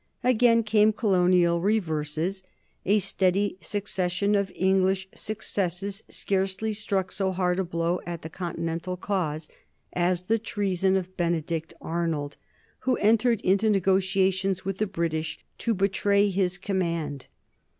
Again came colonial reverses. A steady succession of English successes scarcely struck so hard a blow at the Continental cause as the treason of Benedict Arnold, who entered into negotiations with the British to betray his command.